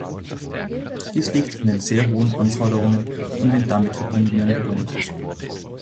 Dies liegt an den sehr hohen Anforderungen und den damit verbundenen hohen Kosten.